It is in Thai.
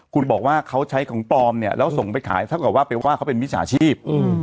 คุณบอกว่าเขาใช้ของปลอมเนี่ยแล้วส่งไปขายเท่ากับว่าไปว่าเขาเป็นมิจฉาชีพ